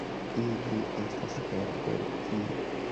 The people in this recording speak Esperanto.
Ili estas el Belgio.